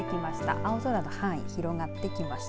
青空の範囲、広がってきました。